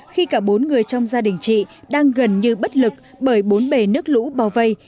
khi cả bốn người trong gia đình chị đang gần như bất lực bởi bốn bề nước lũ bao vây